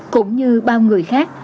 cũng như bao người khác